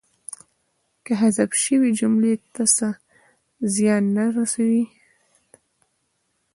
که حذف شي جملې ته څه زیان نه رسوي.